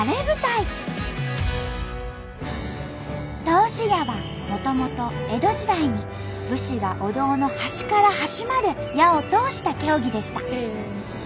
通し矢はもともと江戸時代に武士がお堂の端から端まで矢を通した競技でした。